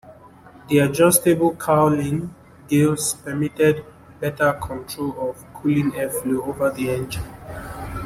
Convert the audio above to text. The adjustable cowling gills permitted better control of cooling airflow over the engine.